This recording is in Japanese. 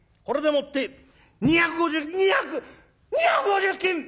これでもって２５０金」。